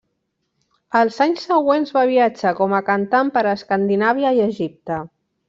Els anys següents va viatjar com a cantant per Escandinàvia i Egipte.